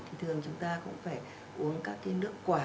thì thường chúng ta cũng phải uống các cái nước quả